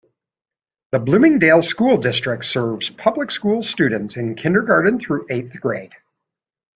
The Bloomingdale School District serves public school students in Kindergarten through eighth grade.